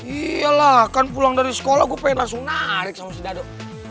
iya lah kan pulang dari sekolah gue pengen langsung narik sama si dado